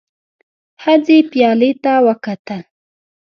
ښځې پيالې ته وکتل.